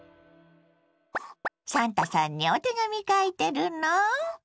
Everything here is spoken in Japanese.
サンタさんにお手紙書いてるの？